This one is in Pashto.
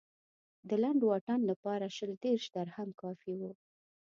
د لنډ واټن لپاره شل دېرش درهم کافي و.